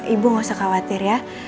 ibu nggak usah khawatir ya